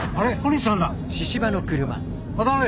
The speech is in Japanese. あれ？